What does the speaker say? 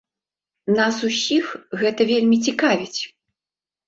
Нас усіх гэта вельмі цікавіць.